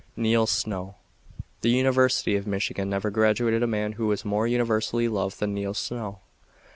"'" Neil Snow The University of Michigan never graduated a man who was more universally loved than Neil Snow.